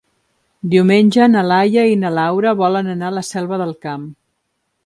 Diumenge na Laia i na Laura volen anar a la Selva del Camp.